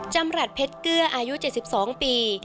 จำรัฐเพชรเกลืออายุ๗๒ปี